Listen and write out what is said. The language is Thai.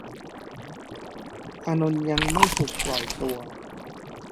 อานนท์ยังไม่ถูกปล่อยตัว